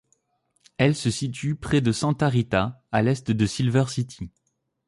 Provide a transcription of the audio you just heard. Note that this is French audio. Elle se situe près de Santa Rita, à l'est de Silver City.